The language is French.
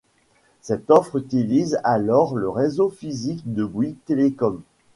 Cette offre utilise alors le réseau physique de Bouygues Telecom.